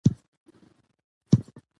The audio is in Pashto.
د پرېکړو بې وخته کول زیان رسوي